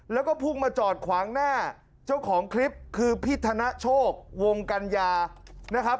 แล้วก็พุ่งมาจอดขวางหน้าเจ้าของคลิปคือพี่ธนโชควงกัญญานะครับ